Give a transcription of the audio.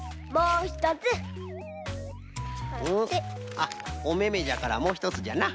あっおめめじゃからもうひとつじゃな。